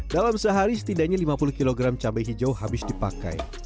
dalam sehari setidaknya lima puluh kg cabai hijau habis dipakai